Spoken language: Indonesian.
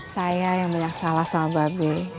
saya yang banyak salah sama babin